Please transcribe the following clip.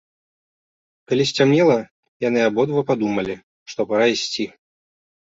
Калі сцямнела, яны абодва падумалі, што пара ісці.